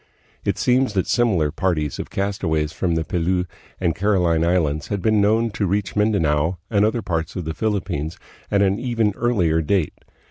It seems that similar parties of castaways from the Pelew and Caroline Islands had been known to reach Mindanao and other parts of the Philippines at an even earlier date.